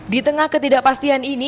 di tengah ketidakpastian ini